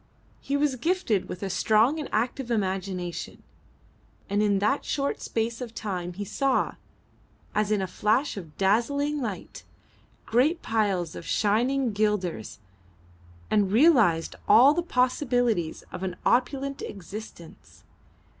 He was gifted with a strong and active imagination, and in that short space of time he saw, as in a flash of dazzling light, great piles of shining guilders, and realised all the possibilities of an opulent existence.